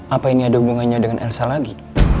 apa ini ada hubungannya dengan elsa lagi